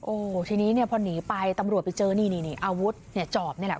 โอ้ทีนี้พอหนีไปตำรวจไปเจอนี่อาวุธจอบนี่แหละ